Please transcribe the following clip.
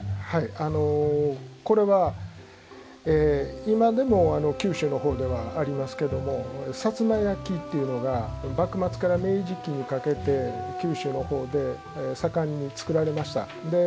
これは今でも九州のほうではありますけども「薩摩焼」っていうのが幕末から明治期にかけて九州のほうで盛んに作られました。